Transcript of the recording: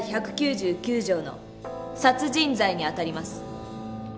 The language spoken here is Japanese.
第１９９条の殺人罪にあたります」。